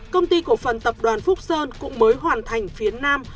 công ty cổ phần tập đoàn phúc sơn cũng mới hoàn thành phía nam